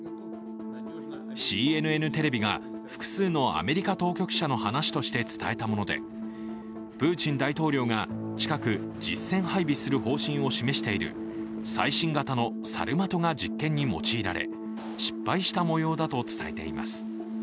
ＣＮＮテレビが複数のアメリカ当局者の話として伝えたものでプーチン大統領が近く、実戦配備する方針を示している最新型のサルマトが実験に用いられ、失敗した模様だと伝えています